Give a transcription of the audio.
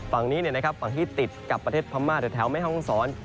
ภาคนี้ฐั่งที่ติดกับติดเตียงประเทศพม่าเท่าไม่ห้องสรต์